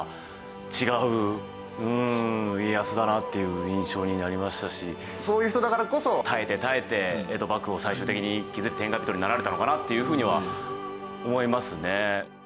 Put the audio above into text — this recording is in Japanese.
家康だなっていう印象になりましたしそういう人だからこそ耐えて耐えて江戸幕府を最終的に築いて天下人になられたのかなっていうふうには思いますね。